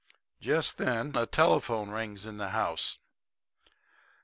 "Just then a telephone bell rings in the house.